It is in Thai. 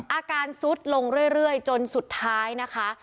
อาการซุดลงเรื่อยจนสุดท้ายนะคะ